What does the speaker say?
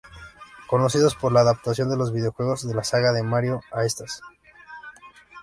Conocidos por la adaptación de los videojuegos de la saga de Mario a estas.